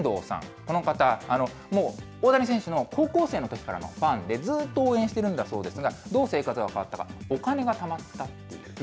この方、もう大谷選手の高校生のときからのファンで、ずっと応援しているんだそうですが、どう生活が変わったか、お金がたまったと。